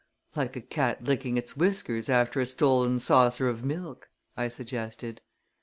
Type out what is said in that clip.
"Like a cat licking its whiskers after a stolen saucer of milk!" I suggested.